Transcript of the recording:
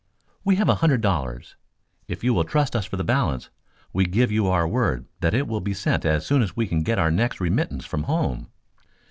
"We have a hundred dollars. If you will trust us for the balance we give you our word that it will be sent as soon as we can get our next remittance from home."